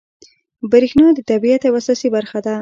بریښنا د طبیعت یوه اساسي برخه ده